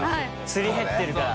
すり減ってるから？